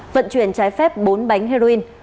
vận chuyển trái phép bốn bánh heroin